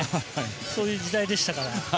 そういう時代でした。